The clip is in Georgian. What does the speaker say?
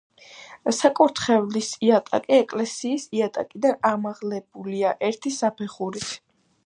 საკურთხევლის იატაკი ეკლესიის იატაკიდან ამაღლებულია ერთი საფეხურით.